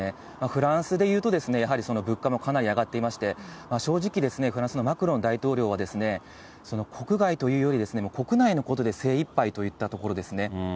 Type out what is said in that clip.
フランスでいうと、やはり物価もかなり上がっていまして、正直ですね、フランスのマクロン大統領は、国外というより、国内のことで精いっぱいといったところですね。